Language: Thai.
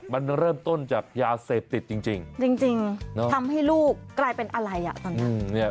มันเริ่มต้นจากยาเสพติดจริงจริงทำให้ลูกกลายเป็นอะไรอ่ะตอนนั้น